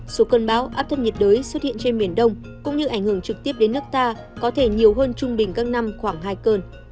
số cơn bão áp thấp nhiệt đới xuất hiện trên miền đông cũng như ảnh hưởng trực tiếp đến nước ta có thể nhiều hơn trung bình các năm khoảng hai cơn